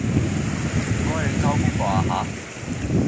唔該你交功課呀吓